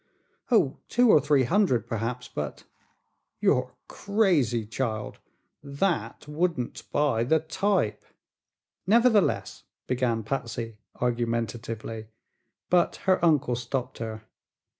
"Oh, two or three hundred, perhaps, but " "You're crazy, child! That wouldn't buy the type." "Nevertheless," began Patsy, argumentatively, but her uncle stopped her.